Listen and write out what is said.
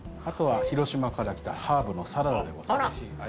あとは広島から来たハーブのサラダでございます。